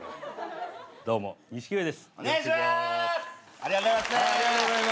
ありがとうございます。